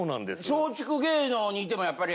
松竹芸能にいてもやっぱり。